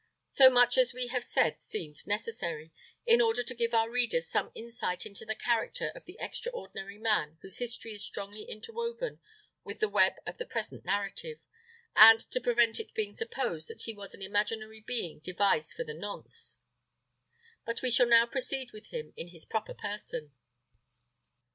So much as we have said seemed necessary, in order to give our readers some insight into the character of the extraordinary man whose history is strongly interwoven with the web of the present narrative, and to prevent its being supposed that he was an imaginary being devised for the nonce; but we shall now proceed with him in his proper person.